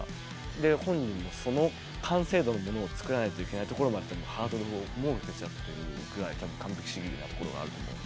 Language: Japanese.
本人もその完成度のものを作らないといけないところまでハードルを設けちゃってるぐらい完璧主義なところがあると思う。